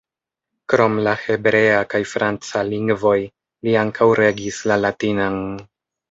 Krom la hebrea kaj franca lingvoj li ankaŭ regis la latinan.